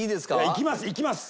いきますいきます。